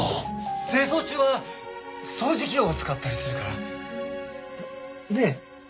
清掃中は掃除機を使ったりするから。ねねえ？